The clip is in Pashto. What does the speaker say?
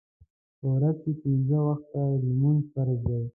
په ورځ کې پنځه وخته لمونځ فرض دی.